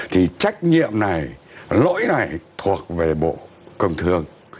thì trách nhiệm này lỗi này thuộc về bộ công thương